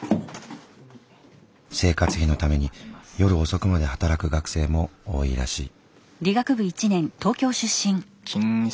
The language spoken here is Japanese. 生活費のために夜遅くまで働く学生も多いらしい。